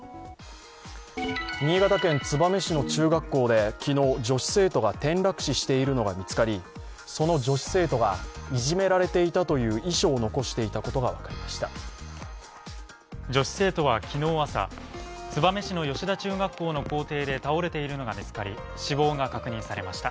新潟県燕市の中学校で昨日、女子生徒が転落死ししているのが見つかり、その女子生徒がいじめられていたという遺書を残していたことが分かりました。